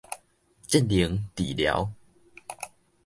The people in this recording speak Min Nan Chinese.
職能治療